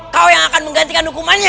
kau yang akan menggantikan hukumannya